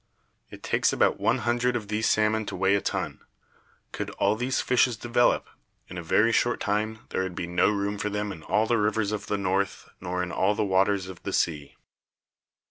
It takes about one hundred of these salmon to weigh a ton. Could all these fishes develop, in a very short time there would be no room for them in all the rivers of the North nor in all the waters of the sea."